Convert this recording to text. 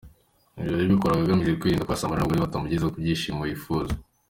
Ngo yabikoraga agamije kwirinda kuba yasambana n’abasore batamugeza ku byishimo yifuza.